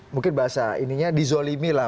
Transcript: mungkin bahasa ininya dizolimi lah